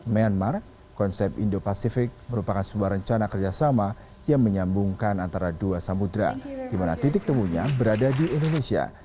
myanmar konsep indo pacific merupakan sebuah rencana kerjasama yang menyambungkan antara dua samudera di mana titik temunya berada di indonesia